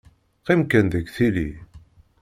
Qqim kan deg tili.